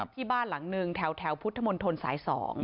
ที่บ้านหลังหนึ่งแถวพุทธมนตรสาย๒